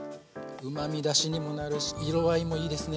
うまみだしにもなるし色合いもいいですね。